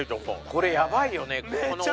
これやばいよね